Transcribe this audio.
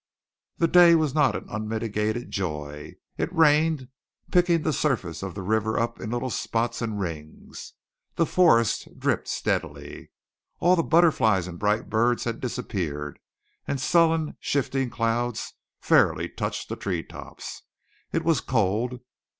That day was not an unmitigated joy. It rained, picking the surface of the river up in little spots and rings. The forest dripped steadily. All the butterflies and bright birds had disappeared; and sullen, shifting clouds fairly touched the treetops. It was cold.